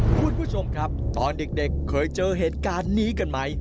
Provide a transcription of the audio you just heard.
คุณผู้ชมครับตอนเด็กเคยเจอเหตุการณ์นี้กันไหม